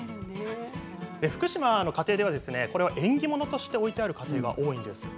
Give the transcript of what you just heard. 福島の家庭では、これは縁起物として置いてある家庭多いんです。